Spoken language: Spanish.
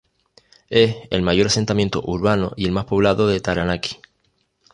Es el mayor asentamiento urbano y el más poblado de Taranaki.